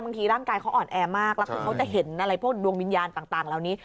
บางทีร่างกายเขาอ่อนแอมากแล้วคือเขาจะเห็นอะไรพวกดวงวิญญาณต่างเหล่านี้